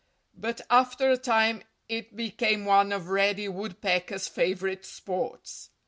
But after a time it became one of Reddy Woodpecker's favorite sports.